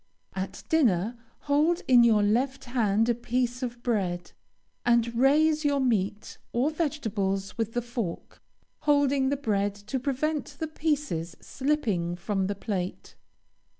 At dinner, hold in your left hand a piece of bread, and raise your meat or vegetables with the fork, holding the bread to prevent the pieces slipping from the plate.